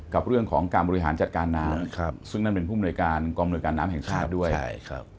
กับเรื่องของการบริหารจัดการน้ำซึ่งนั่นเป็นผู้บริการกองบริการน้ำแห่งชาติด้วย